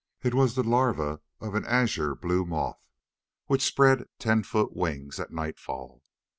It was the larva of an azure blue moth which spread ten foot wings at nightfall.